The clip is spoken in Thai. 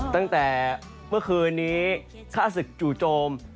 ตั้งแต่เมื่อคืนนี้ฆ่าศึกจู่โจม